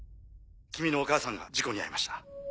君のお母さんが事故に遭いました。